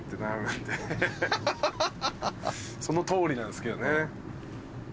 そのとおりなんすけどね。